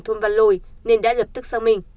thôn văn lôi nên đã lập tức sang mình